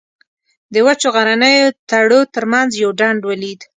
د وچو غرنیو تړو تر منځ یو ډنډ ولید.